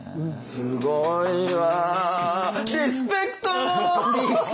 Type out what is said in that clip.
すごいわ！